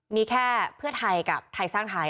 มีแค่เพื่อไทยกับไทยสร้างไทย